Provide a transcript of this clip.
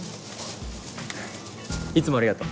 いつもありがとう。